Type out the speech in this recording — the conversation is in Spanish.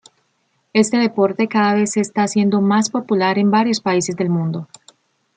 Este deporte cada vez se está haciendo más popular en varios países del mundo.